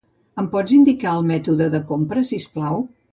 Em pots indicar el mètode de compra, si us plau?